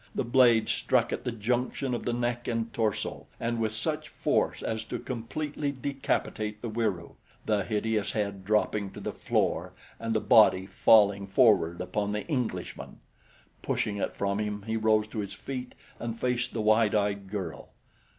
The blade struck at the junction of the neck and torso and with such force as to completely decapitate the Wieroo, the hideous head dropping to the floor and the body falling forward upon the Englishman. Pushing it from him he rose to his feet and faced the wide eyed girl.